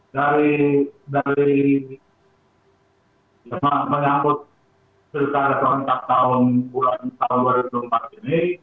dari jemaah penyambut setelah dua puluh empat tahun bulan tahun dua ribu empat ini